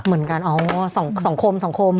เหมือนกันอ๋อส่องโคมส่องโคม